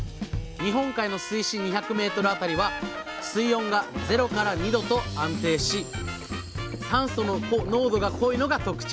日本海の水深２００メートル辺りは水温が０２度と安定し酸素の濃度が濃いのが特徴。